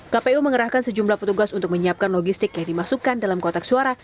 kpu mengerahkan sejumlah petugas untuk menyiapkan logistik yang dimasukkan dalam kotak suara